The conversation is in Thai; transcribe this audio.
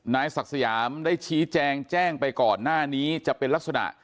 นายศักดิ์สยามได้ชี้แจงแจ้งไปก่อนหน้านี้จะเป็นลักษณะ